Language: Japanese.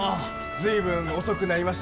随分遅くなりました。